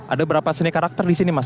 ada berapa seni karakter di sini mas